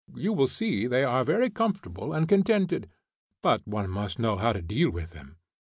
You will see they are very comfortable and contented. But one must know how to deal with them.